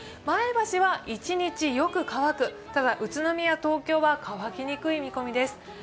前橋は１日よく乾く、ただ、宇都宮、東京は乾きにくい見込みです。